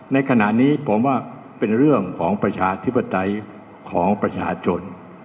ในขณะนี้ผมว่าเป็นเรื่องของประชาธิปไตยของประชาชน